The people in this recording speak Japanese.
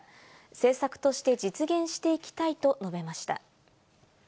政策として実現していきたいと述べました。